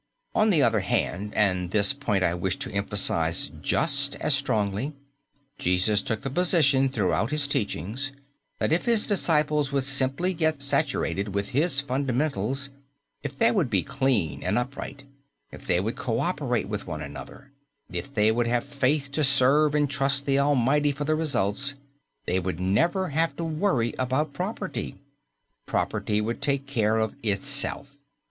On the other hand, and this point I wish to emphasize just as strongly, Jesus took the position throughout His teachings, that if His disciples would simply get saturated with His fundamentals, if they would be clean and upright, if they would coöperate with one another, if they would have faith to serve and trust the Almighty for the results, they would never have to worry about property. Property would take care of itself.